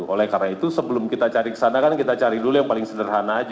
oleh karena itu sebelum kita cari ke sana kan kita cari dulu yang paling sederhana aja